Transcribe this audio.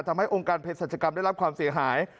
ทำให้องค์การเพศสัจกรรมได้รับความเสียหาย